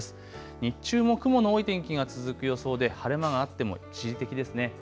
日中も雲の多い天気が続く予想で晴れ間があっても一時的ですね。